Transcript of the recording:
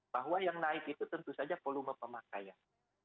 bahwa yang naik itu tentu saja volume pemakaian